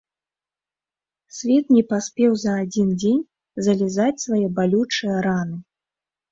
Свет не паспеў за адзін дзень залізаць свае балючыя раны.